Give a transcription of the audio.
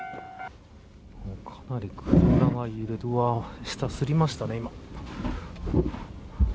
かなり車が下、すりましたね、今。